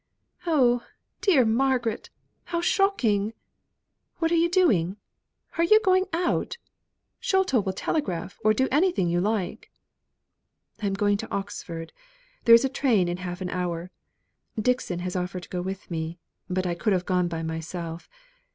"Oh, dear Margaret! how shocking! What are you doing? Are you going out? Sholto would telegraph or do anything you like." "I am going to Oxford. There is a train in half an hour. Dixon has offered to go with me, but I could have gone by myself.